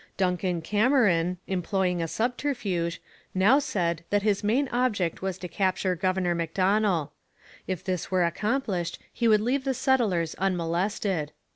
Duncan Cameron, employing a subterfuge, now said that his main object was to capture Governor Macdonell. If this were accomplished he would leave the settlers unmolested.